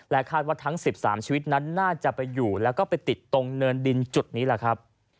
คาดว่าทั้ง๑๓ชีวิตนั้นน่าจะไปอยู่แล้วก็ไปติดตรงเนินดินจุดนี้แหละครับ